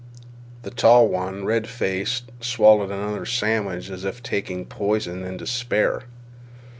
The tall one, red faced, swallowed another sandwich as if taking poison in despair.